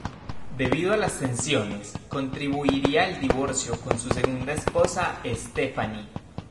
Debido a las tensiones contribuiría el divorcio con su segunda esposa Stephanie.